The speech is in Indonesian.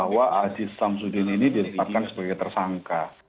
bahwa aziz syamsuddin ini disempatkan sebagai tersangka